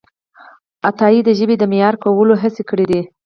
عطایي د ژبې د معیاري کولو هڅې کړیدي.